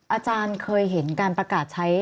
อาจารย์เคยเห็นการประกาศใช้